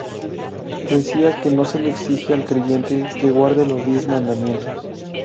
Decía que no se le exige al creyente que guarde los diez mandamientos.